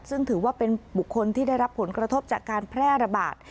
ซึ่งถือว่าเป็นบุคคลที่ได้รับผลกระทบจากการแพร่ระบาด